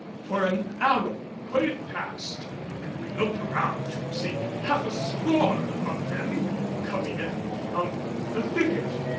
For an arrow whirred past and we looked around to see half a score of them coming from the thicket.